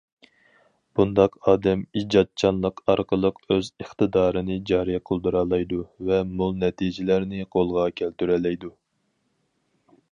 بۇنداق ئادەم ئىجادچانلىق ئارقىلىق ئۆز ئىقتىدارىنى جارى قىلدۇرالايدۇ ۋە مول نەتىجىلەرنى قولغا كەلتۈرەلەيدۇ.